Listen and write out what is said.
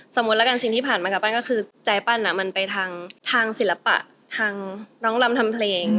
ละกันสิ่งที่ผ่านมากับปั้นก็คือใจปั้นมันไปทางศิลปะทางน้องลำทำเพลง